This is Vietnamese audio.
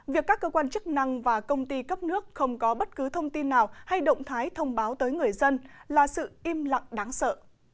việc các cơ quan chức năng và công ty cấp nước không có bất cứ thông tin nào hay động thái thông báo tới người dân là sự im lặng đáng sợ